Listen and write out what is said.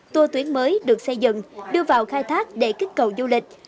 tua tuyến mới được xây dựng đưa vào khai thác để kích cầu du lịch